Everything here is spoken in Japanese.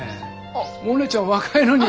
モネちゃん若いのに。